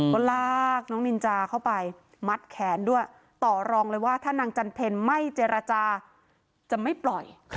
ก็ลากน้องนินจาเข้าไปมัดแขนด้วยต่อรองเลยว่าถ้านางจันเพลไม่เจรจาจะไม่ปล่อย